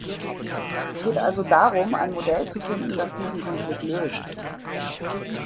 Es geht also darum, ein Modell zu finden, das diesen Konflikt löst.